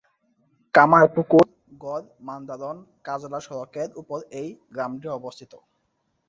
কামারপুকুর-গড় মান্দারণ-কাজলা সড়কের ওপর এই গ্রামটি অবস্থিত।